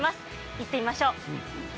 行ってみましょう。